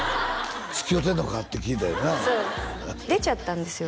「つきおうてんのか？」って聞いたんやな出ちゃったんですよ